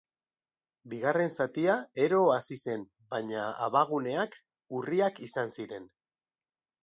Bigarren zatia ero hasi zen, baina abaguneak urriak izan ziren.